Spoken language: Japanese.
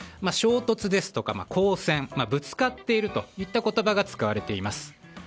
衝突ですとか交戦ぶつかっているといった言葉が使われています。